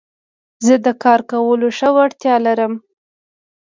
زه د کار کولو ښه وړتيا لرم.